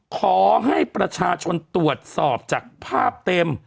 ขอให้ประชาชนตรวจสอบจากภาพเต็ม